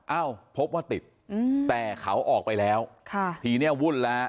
เอ้าพบว่าติดแต่เขาออกไปแล้วค่ะทีนี้วุ่นแล้ว